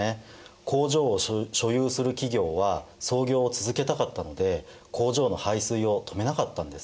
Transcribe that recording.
工場を所有する企業は操業を続けたかったので工場の排水を止めなかったんです。